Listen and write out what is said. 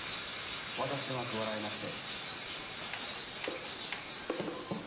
「私、上手く笑えなくて」。